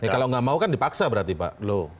kalau nggak mau kan dipaksa berarti pak